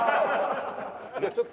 じゃあちょっと。